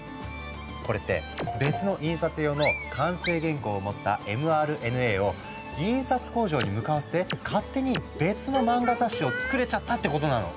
これって別の印刷用の完成原稿を持ったｍＲＮＡを印刷工場に向かわせて勝手に別の漫画雑誌をつくれちゃったってことなの。